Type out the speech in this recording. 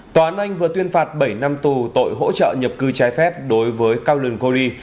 tòa án anh vừa tuyên phạt bảy năm tù tội hỗ trợ nhập cư trái phép đối với colon kury